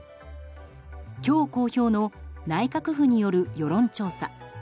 今日、公表の内閣府による世論調査。